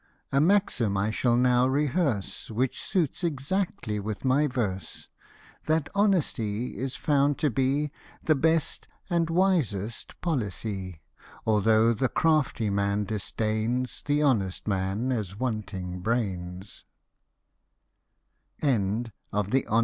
A maxim I shall now rehearse, Which suits exactly with my verse ; That honesty is found to be The best and wisest policy : Although the crafty man disdains The honest man as wanting brains.